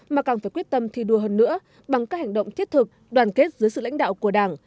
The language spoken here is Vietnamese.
mà càng phải quyết tâm thi đua hơn nữa bằng các hành động thiết thực đoàn kết dưới sự lãnh đạo của đảng